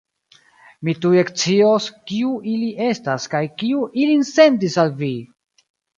Mi tuj ekscios, kiu ili estas kaj kiu ilin sendis al vi!